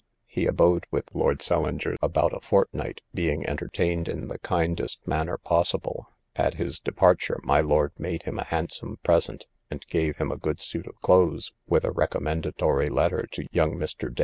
He abode with Lord St. Leger about a fortnight, being entertained in the kindest manner possible; at his departure, my lord made him a handsome present, and gave him a good suit of clothes, with a recommendatory letter to young Mr. Day.